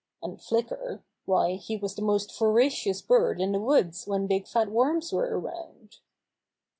And Flicker — why, he was the most voracious bird in the woods when big fat worms were around!